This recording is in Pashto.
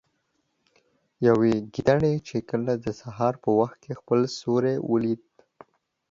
يوې ګيدړې چې کله د سهار په وخت كې خپل سيورى وليده